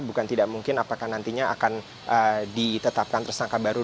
bukan tidak mungkin apakah nantinya akan ditetapkan tersangka baru